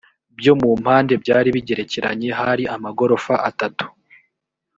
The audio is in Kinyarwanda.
byo mu mpande byari bigerekeranye hari amagorofa atatu